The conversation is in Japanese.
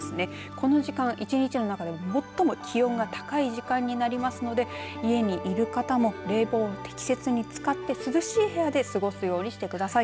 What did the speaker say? この時間、１日の中で最も気温が高い時間になりますので家にいる方も冷房を適切に使って涼しい部屋で過ごすようにしてください。